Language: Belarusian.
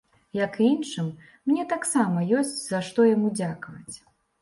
Як і іншым, мне таксама ёсць за што яму дзякаваць.